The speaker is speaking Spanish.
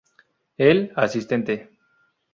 Él asiente.